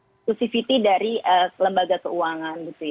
inclusivity dari lembaga keuangan